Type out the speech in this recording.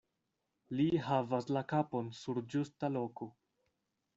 Li havas la kapon sur ĝusta loko.